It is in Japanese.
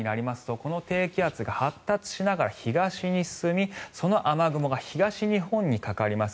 この低気圧が発達しながら東に進みその雨雲が東日本にかかります。